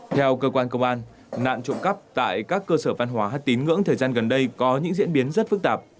theo cơ quan công an nạn trộm cắp tại các cơ sở văn hóa tín ngưỡng thời gian gần đây có những diễn biến rất phức tạp